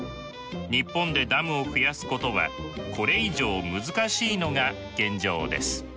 日本でダムを増やすことはこれ以上難しいのが現状です。